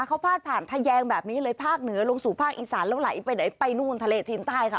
เขาพาดผ่านทะแยงแบบนี้เลยภาคเหนือลงสู่ภาคอีสานแล้วไหลไปไหนไปนู่นทะเลจีนใต้ค่ะ